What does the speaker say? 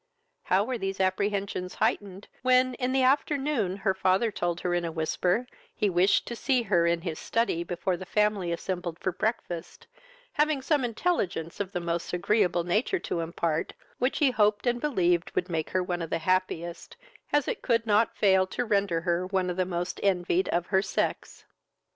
How were these apprehensions heightened, when, in the afternoon, her father told her in a whisper he wished to see her in his study before the family assembled at breakfast, having some intelligence of the most agreeable nature to impart, which he hoped and believed would make her one of the happiest, as it could not fail to render her one of the most envied of her sex.